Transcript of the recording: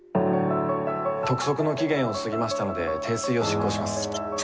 督促の期限を過ぎましたので停水を執行します。